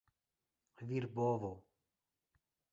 virbovo